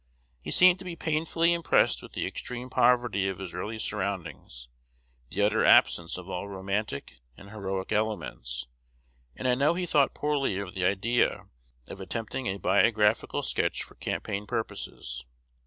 He seemed to be painfully impressed with the extreme poverty of his early surroundings, the utter absence of all romantic and heroic elements; and I know he thought poorly of the idea of attempting a biographical sketch for campaign purposes....